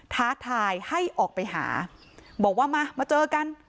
ท้าทายให้ออกไปหาบอกว่ามามาเจอกัน